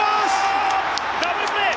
ダブルプレー！